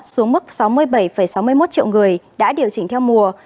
xuống mức sáu mươi bảy sáu mươi một triệu người đã điều chỉnh theo mùa